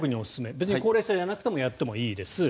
別に高齢者じゃなくてもやってもいいです。